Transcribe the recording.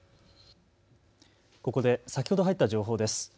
ここで先ほど入った情報です。